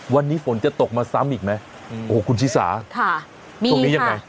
วันนี้ฝนจะตกมาซ้ำอีกไหมโอ้โหคุณชิสาช่วงนี้ยังไง